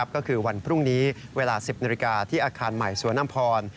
ก็คือวันพรุ่งนี้เวลา๑๐นาฬิกาที่อาคารใหม่สวนอำพร